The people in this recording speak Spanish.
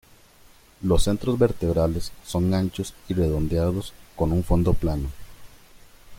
Los centros vertebrales son anchos y redondeados con un fondo plano.